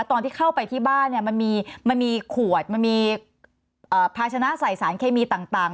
ตอนที่เข้าไปที่บ้านมันมีขวดมันมีภาชนะใส่สารเคมีต่าง